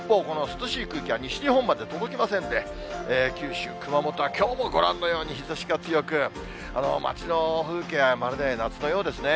一方、この涼しい空気は西日本まで届きませんで、九州、熊本はきょうもご覧のように日ざしが強く、街の風景はまるで夏のようですね。